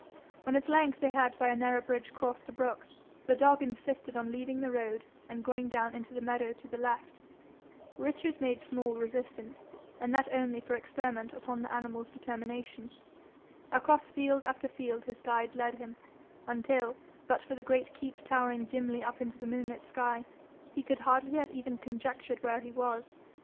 When at length they had by a narrow bridge crossed a brook, the dog insisted on leaving the road and going down into the meadow to the left. Richard made small resistance, and that only for experiment upon the animal's determination. Across field after field his guide led him, until, but for the great keep towering dimly up into the moonlit sky, he could hardly have even conjectured where he was.